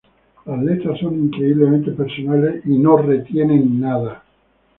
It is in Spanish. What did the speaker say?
Las letras son increíblemente personales y no retienen nada.